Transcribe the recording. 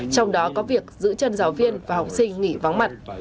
trong đó có việc giữ chân giáo viên và học sinh nghỉ vắng mặt